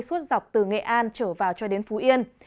suốt dọc từ nghệ an trở vào cho đến phú yên